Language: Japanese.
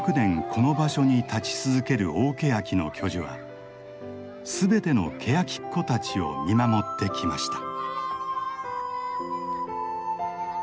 この場所に立ち続ける大ケヤキの巨樹は全てのケヤキっ子たちを見守ってきました。